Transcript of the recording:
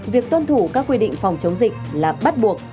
việc tuân thủ các quy định phòng chống dịch là bắt buộc